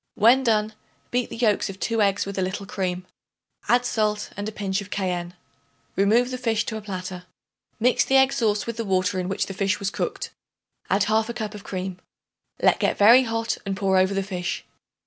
When done, beat the yolks of 2 eggs with a little cream; add salt and a pinch of cayenne. Remove the fish to a platter. Mix the egg sauce with the water in which the fish was cooked; add 1/2 cup of cream. Let get very hot and pour over the fish.